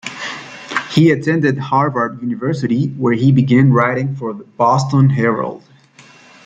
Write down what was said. He attended Harvard University where he began writing for the Boston Herald.